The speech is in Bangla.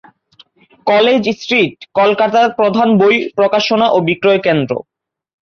কলেজ স্ট্রিট কলকাতার প্রধান বই প্রকাশনা ও বিক্রয় কেন্দ্র।